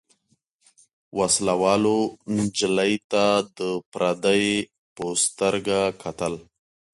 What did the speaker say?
وسله والو نجلۍ ته د پردۍ په سترګه کتل.